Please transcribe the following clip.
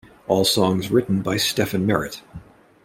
All songs written by Stephin Merritt.